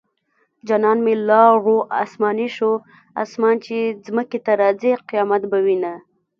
جانان مې لاړو اسماني شو اسمان چې ځمکې ته راځي قيامت به وينه